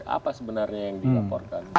apa sebenarnya yang dilaporkan